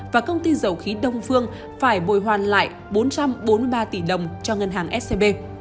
và công ty dầu khí đông phương phải bồi hoàn lại bốn trăm bốn mươi ba tỷ đồng cho ngân hàng scb